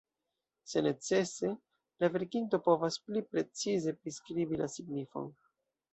Se necese, la verkinto povas pli precize priskribi la signifon.